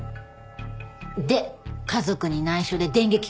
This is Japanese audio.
で家族に内緒で電撃結婚！